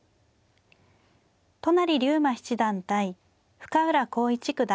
都成竜馬七段対深浦康市九段。